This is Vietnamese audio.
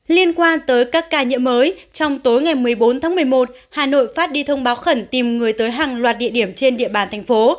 liên quan tới các ca nhiễm mới trong tối ngày một mươi bốn tháng một mươi một hà nội phát đi thông báo khẩn tìm người tới hàng loạt địa điểm trên địa bàn thành phố